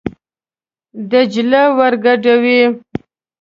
دجله ور ګډوي.